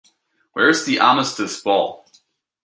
Where's the Armistice Ball?